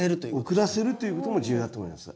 遅らせるということも重要だと思います。